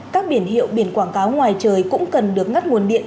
các biển hiệu biển quảng cáo ngoài trời cũng cần được ngắt nguồn điện